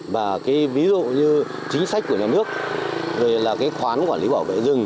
và ví dụ như chính sách của nhà nước khoán quản lý bảo vệ rừng